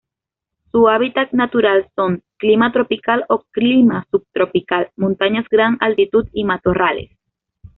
Su hábitat natural son: Clima tropical o Clima subtropical, montañas gran altitud y matorrales.